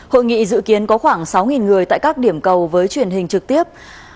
hội nghị dự kiến có khoảng sáu người tại các điểm cầu với truyền hình trực tiếp